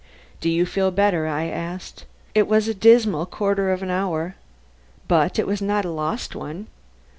"Do you feel better?" I asked. "It was a dismal quarter of an hour. But it was not a lost one."